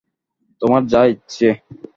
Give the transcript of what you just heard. তোমার যা ইচ্ছে।